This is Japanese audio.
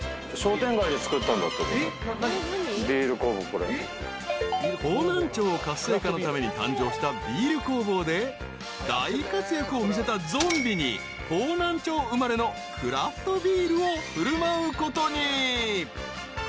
［方南町活性化のために誕生したビール工房で大活躍を見せたゾンビに方南町生まれのクラフトビールを振る舞うことに］